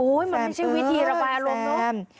มันไม่ใช่วิธีระบายอารมณ์เนอะ